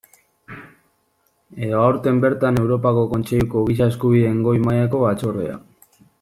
Edo aurten bertan Europako Kontseiluko Giza Eskubideen Goi mailako Batzordea.